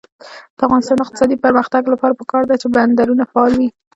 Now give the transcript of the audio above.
د افغانستان د اقتصادي پرمختګ لپاره پکار ده چې بندرونه فعال وي.